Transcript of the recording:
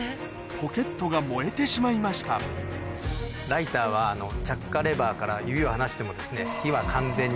ポケットが燃えてしまいましたライターは着火レバーから指を離しても。